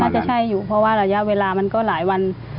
น่าจะใช่อยู่เพราะว่าระยะเวลามันก็หลายวัน